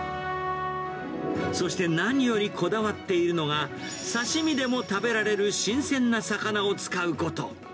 そして何よりこだわっているのが、刺身でも食べられる新鮮な魚を使うこと。